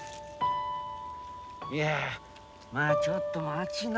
いやまあちょっと待ちな。